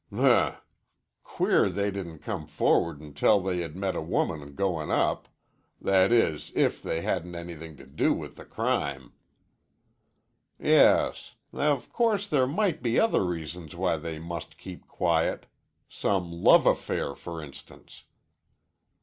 "Hmp! Queer they didn't come forward an' tell they had met a woman goin' up. That is, if they hadn't anything to do with the crime." "Yes. Of course there might be other reasons why they must keep quiet. Some love affair, for instance."